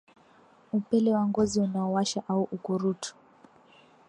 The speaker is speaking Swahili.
Upele wa ngozi unaowasha au ukurutu